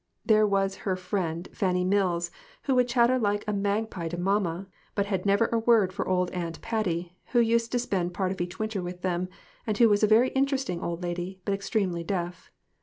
There was her friend Fanny Mills, who would chatter like a magpie to mamma, but had never a word for old Aunt Patty, who used to spend part of each winter with them, and who was a very interesting old lady, but extremely deaf.